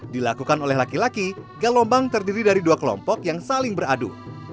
dilakukan oleh laki laki gelombang terdiri dari dua kelompok yang saling beradu